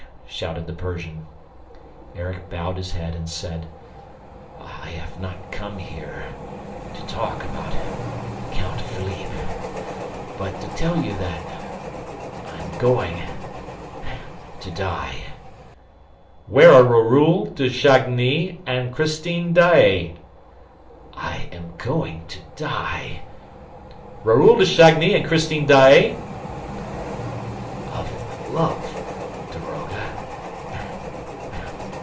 shouted the Persian. Erik bowed his head and said: "I have not come here ... to talk about Count Philippe ... but to tell you that ... I am going ... to die..." "Where are Raoul de Chagny and Christine Daae?" "I am going to die." "Raoul de Chagny and Christine Daae?" "Of love ... daroga